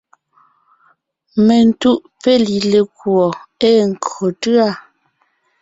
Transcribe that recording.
Mentúʼ péli lekùɔ ée nkÿo tʉ̂a.